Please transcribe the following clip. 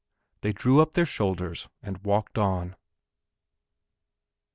They drew up their shoulders and walked on.